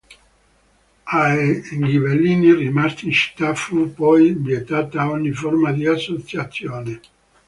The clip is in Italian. Ai Ghibellini rimasti in città fu poi vietata ogni forma di associazione.